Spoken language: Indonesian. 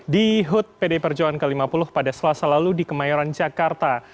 di hud pd perjuangan ke lima puluh pada selasa lalu di kemayoran jakarta